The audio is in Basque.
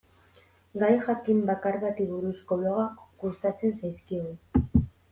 Gai jakin bakar bati buruzko blogak gustatzen zaizkigu.